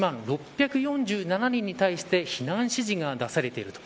２１万６４７人に対して避難指示が出されていると。